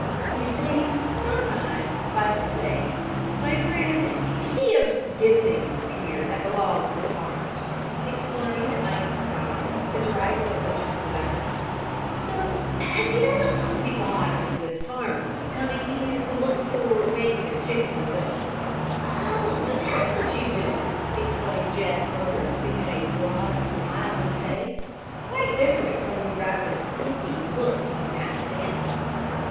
"You see, sometimes, by mistakes, my friend he of gets things here that belongs to the farmers," explained Ike Stein, the driver of the junk wagon. "So as he doesn't want to be boddered with farmers of coming here to look for maybe their chickens or ducks." "Oh, so that's what you do!" exclaimed Jed Porter, who had a broad, smiling face, quite different from the rather sneaking looks of Matt Stanton.